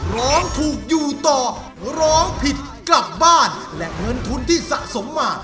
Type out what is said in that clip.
ร้องถูกอยู่ต่อร้องผิดกลับบ้านและเงินทุนที่สะสมมา